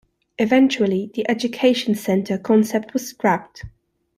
Eventually the "Education Center" concept was scrapped.